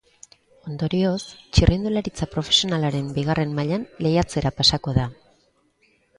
Ondorioz, txirrindularitza profesionalaren bigarren mailan lehiatzera pasako da.